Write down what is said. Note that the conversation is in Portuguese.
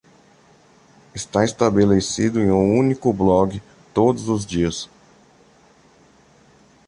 Está estabelecido em um único blog todos os dias.